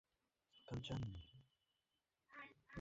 পেঁচা যোদ্ধাদের শেষ যোদ্ধার অবস্থানও জানা গিয়েছিল।